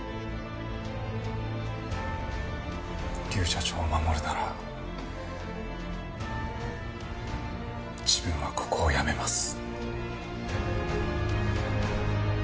劉社長を護るなら自分はここを辞めます。